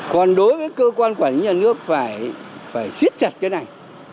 còn đối với cơ quan quản lý nhà nước phải siết chặt cái này